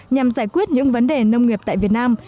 nhằm giải quyết những vấn đề nông nghiệp tại việt nam